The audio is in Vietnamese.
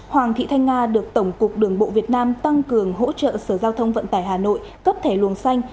hoàng thị thanh nga được tổng cục đường bộ việt nam tăng cường hỗ trợ sở giao thông vận tải hà nội cấp thẻ luồng xanh